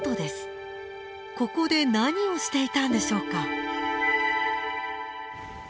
ここで何をしていたんでしょうか？